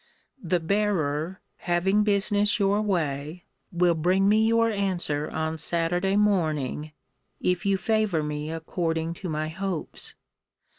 The bearer, having business your way, will bring me your answer on Saturday morning, if you favour me according to my hopes.